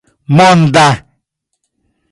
monda